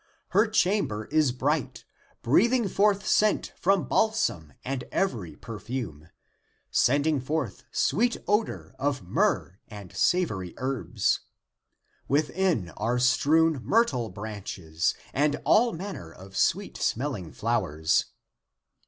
Her chamber is bright. Breathing forth scent from balsam and every per fume, Sending forth sweet odor of myrrh and savory herbs. Within are strewn myrtle branches and all manner of sweet smelling flowers.